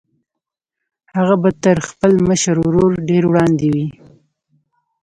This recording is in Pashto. هغه به تر خپل مشر ورور ډېر وړاندې وي